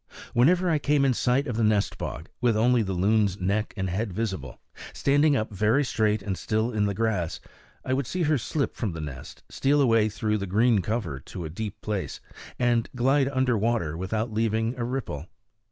Whenever I came in sight of the nest bog, with only the loon's neck and head visible, standing up very straight and still in the grass, I would see her slip from the nest, steal away through the green cover to a deep place, and glide under water without leaving a ripple.